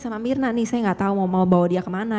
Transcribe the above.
sama mirna nih saya nggak tahu mau bawa dia kemana